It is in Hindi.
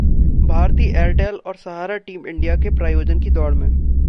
भारती एयरटेल और सहारा टीम इंडिया के प्रायोजन की दौड़ में